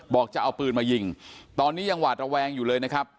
บอกจะเอาปืนมายิงตอนนี้ยังหวาดระแวงอยู่เลยนะครับ